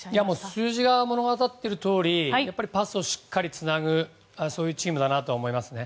数字が物語っているとおりパスをしっかりつなぐそういうチームだと思います。